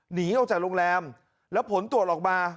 หนีออกจากโรงแรมแล้วผลตรวจออกมา